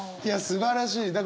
いやすばらしい。